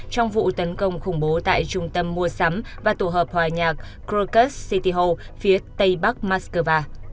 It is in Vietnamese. trong vụ tấn công khủng bố tại trung tâm mua sắm và tổ hợp hòa nhạc krokosytyrhon phía tây bắc moscow